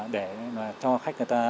để cho khách người ta